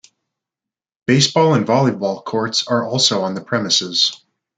Basketball and volleyball courts are also on the premises.